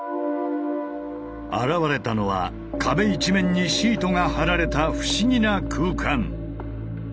現れたのは壁一面にシートが貼られた不思議な空間。